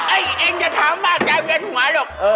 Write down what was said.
ไอ้เองจะทำมากยายเวียนหวานลูก